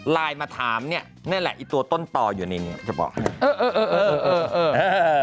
ไลน์มาถามเนี่ยนั่นแหละตัวต้นต่ออยู่ในนี่จะบอก